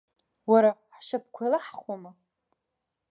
Уара, ҳшьапқәа еилаҳхуама?